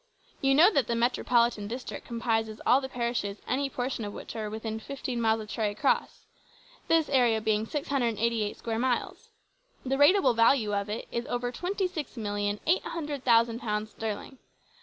You know that the Metropolitan District comprises all the parishes any portion of which are within 15 miles of Charing Cross this area being 688 square miles. The rateable value of it is over twenty six million eight hundred thousand pounds sterling.